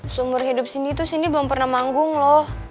seumur hidup sini tuh sini belum pernah manggung loh